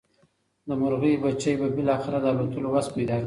د مرغۍ بچي به بالاخره د الوتلو وس پیدا کړي.